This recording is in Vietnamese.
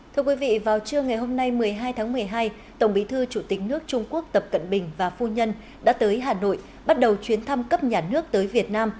thưa quý vị vào trưa ngày hôm nay một mươi hai tháng một mươi hai tổng bí thư chủ tịch nước trung quốc tập cận bình và phu nhân đã tới hà nội bắt đầu chuyến thăm cấp nhà nước tới việt nam